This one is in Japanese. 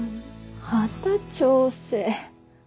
また調整。